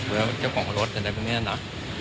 หรือว่าเขาเป็นเจ้าของรถอาจารย์